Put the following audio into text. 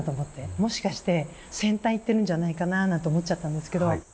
もしかして先端行ってるんじゃないかななんて思っちゃったんですけど。